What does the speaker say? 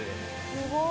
すごい。